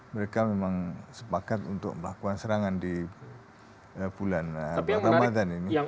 mereka memang sepakat untuk melakukan serangan di bulan ramadan ini